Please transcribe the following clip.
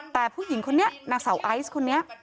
แต่ผู้หญิงคนนี้นางสาวไอซ์คนนี้